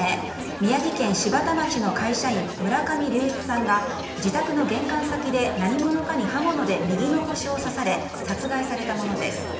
宮城県柴田町の会社員村上隆一さんが自宅の玄関先で何者かに刃物で右の腰を刺され殺害されたものです。